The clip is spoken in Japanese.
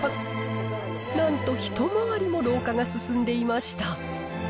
なんと一回りも老化が進んでいました。